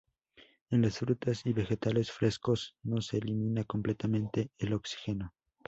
En las frutas y vegetales frescos, no se elimina completamente el oxígeno.